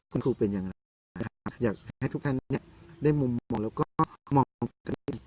คุณครูเป็นอย่างไรอยากให้ทุกท่านได้มุมมองแล้วก็มองความปกติ